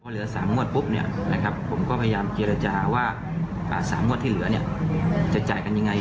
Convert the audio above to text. เหลือ๓งวดปุ๊บผมก็พยายามเจรจาว่า๓งวดที่เหลือจะจ่ายกันยังไง